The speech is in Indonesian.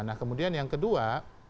nah kemudian yang kedua